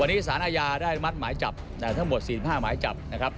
วันนี้ศาลัยาได้มัดหมายจับทั้งหมด๔๕หมายจับนะครับ